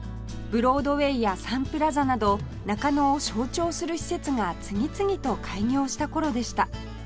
ブロードウェイやサンプラザなど中野を象徴する施設が次々と開業した頃でした